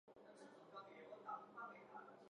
名字来自英国苏格兰城市快富。